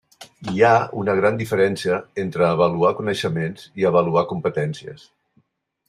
Hi ha una gran diferència entre avaluar coneixements i avaluar competències.